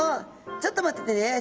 ちょっとまっててね」。